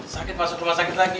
sakit masuk rumah sakit lagi